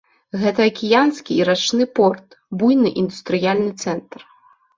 Гэта акіянскі і рачны порт, буйны індустрыяльны цэнтр.